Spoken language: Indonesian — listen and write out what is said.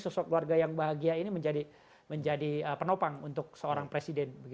sosok keluarga yang bahagia ini menjadi penopang untuk seorang presiden